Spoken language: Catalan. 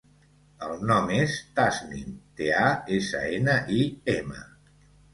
El nom és Tasnim: te, a, essa, ena, i, ema.